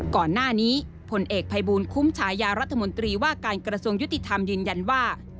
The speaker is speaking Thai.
ก่อนหน้านี้ผลเอกภัยบูลคุ้มฉายารัฐมนตรีว่าการกระทรวงยุติธรรมยืนยันว่า